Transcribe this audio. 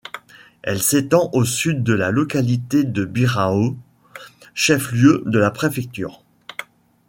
Elle s’étend au sud de la localité de Birao, chef-lieu de la préfecture.